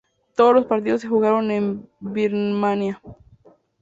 Todos los partidos se jugaron en Birmania.